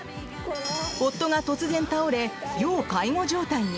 夫が突然倒れ、要介護状態に。